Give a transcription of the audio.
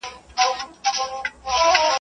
اوړه که تمام دي، پيمانه پر ځاى ده.